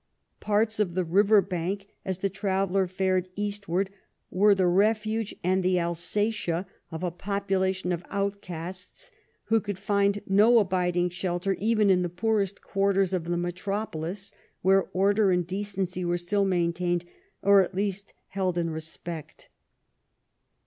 Parts of the river banks, as the traveller fared eastward, were the refuge and the Alsatia of a population of out casts, who could find no abiding shelter even in the poorest quarters of the metropolis, where order and decency were still maintained, or, at least, held in respect.